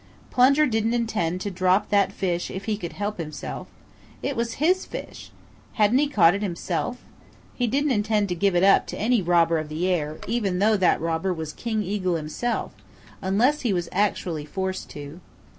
Plunger didn't intend to drop that fish if he could help himself. It was his fish. Hadn't he caught it himself? He didn't intend to give it up to any robber of the air, even though that robber was King Eagle himself, unless he was actually forced to.